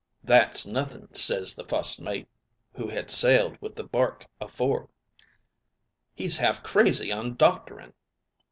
"'That's nothing,' ses the fust mate, who had sailed with the bark afore. 'He's half crazy on doctoring.